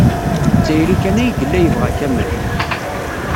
D tayri kan ay yella yebɣa Kamal.